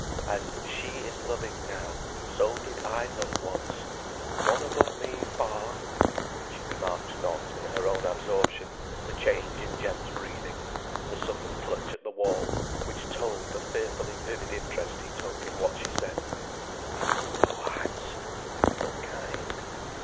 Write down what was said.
As she is loving now, so did I love once; one above me far." She remarked not, in her own absorption, the change in Jem's breathing, the sudden clutch at the wall which told the fearfully vivid interest he took in what she said. "He was so handsome, so kind!